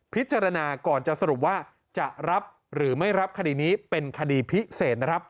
พิจารณาก่อนจะสรุปว่าจะรับหรือไม่รับคดีนี้เป็นคดีพิเศษนะครับ